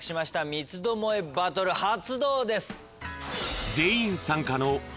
三つ巴バトル発動です。